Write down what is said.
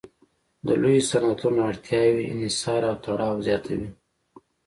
د لویو صنعتونو اړتیاوې انحصار او تړاو زیاتوي